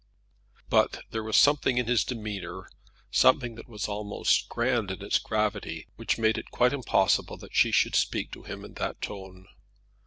But there was something in his demeanour, something that was almost grand in its gravity, which made it quite impossible that she should speak to him in that tone.